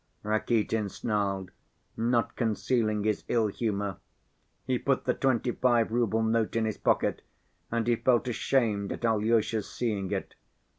Rakitin snarled, not concealing his ill‐ humor. He put the twenty‐five rouble note in his pocket and he felt ashamed at Alyosha's seeing it.